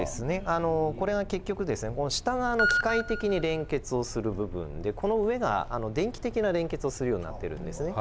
あのこれは結局ですね下側の機械的に連結をする部分でこの上が電気的な連結をするようになってるんですね。